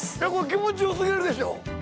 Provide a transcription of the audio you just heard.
気持ち良過ぎるでしょ！